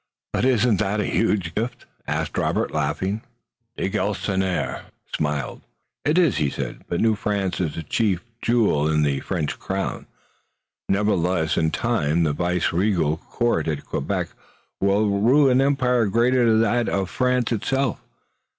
"But isn't that a huge 'if'?" asked Robert, laughing. De Galisonnière smiled. "It is," he said, "but New France is the chief jewel in the French crown, nevertheless. In time the vice regal court at Quebec will rule an empire greater than that of France itself.